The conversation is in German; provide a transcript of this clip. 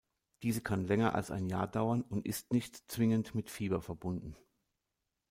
Diese kann länger als ein Jahr dauern und ist nicht zwingend mit Fieber verbunden.